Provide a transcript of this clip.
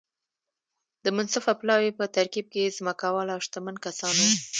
د منصفه پلاوي په ترکیب کې ځمکوال او شتمن کسان وو.